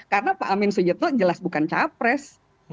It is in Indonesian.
karena pak amin sujato jelas bukan capres